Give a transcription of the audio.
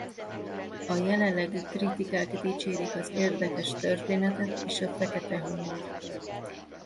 A jelenlegi kritikák dicsérik az érdekes történetet és a fekete humort.